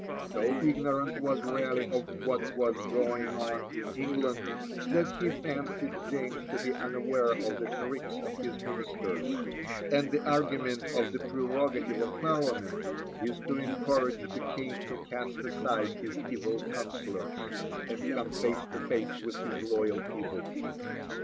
So ignorant was Raleigh of what was going on in England, that he fancied James to be unaware of the tricks of his ministers; and the argument of The Prerogative of Parliament is to encourage the King to cast aside his evil counsellors, and come face to face with his loyal people.